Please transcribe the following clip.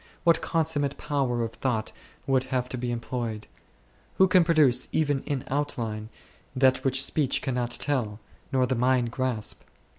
What con summate power of thought would have to be employed ! Who could produce even in out line that which speech cannot tell, nor the mind grasp